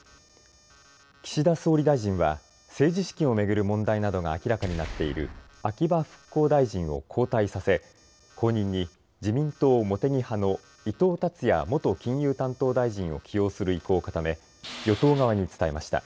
岸田総理大臣は政治資金を巡る問題などが明らかになっている秋葉復興大臣を交代させ後任に自民党茂木派の伊藤達也元金融担当大臣を起用する意向を固め、与党側に伝えました。